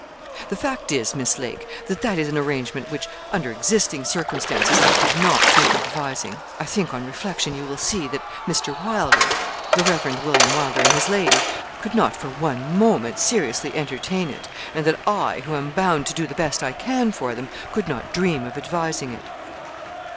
'The fact is, Miss Lake, that that is an arrangement which under existing circumstances I could not think of advising. I think, on reflection, you will see, that Mr. Wylder the Reverend William Wylder and his lady could not for one moment seriously entertain it, and that I, who am bound to do the best I can for them, could not dream of advising it.'